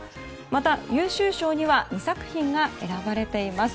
また優秀賞には２作品が選ばれています。